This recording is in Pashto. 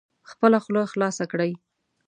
خپله خوله خلاصه کړئ